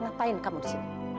ngapain kamu disini